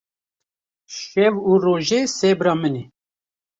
Şev û rojê sebra min î